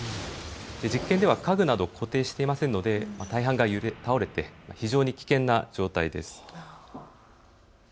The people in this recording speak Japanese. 実験では家具など固定していませんので大半が倒れて非常に危険な状態です。